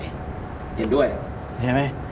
บ๊วยบ๊วยบ๊วยใช่ไหม